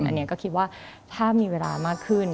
อันนี้ก็คิดว่าถ้ามีเวลามากขึ้น